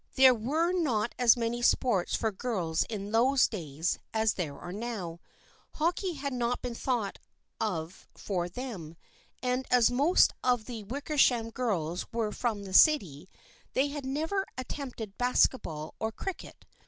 There were not as many sports for girls in those days as there are now. Hockey had not been thought of for them, and as most of the THE FRIENDSHIP OF ANNE 81 Wickersham girls were from the city they had never attempted baseball or cricket.